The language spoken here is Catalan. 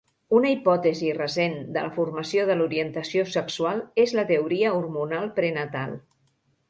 Una hipòtesi recent de la formació de l'orientació sexual és la teoria hormonal prenatal.